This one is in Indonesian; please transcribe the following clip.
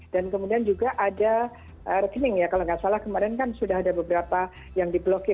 dan kemudian juga ada rekening ya kalau tidak salah kemarin kan sudah ada beberapa yang di blockade